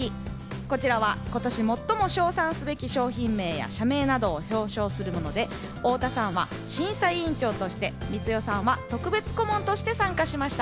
こちらは今年最も賞賛すべき商品名や社名などを表彰するもので、太田さんは審査委員長として、光代さんは特別顧問として参加しました。